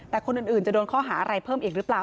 แต่คนอื่นจะโดนข้อหาอะไรเพิ่มอีกหรือเปล่า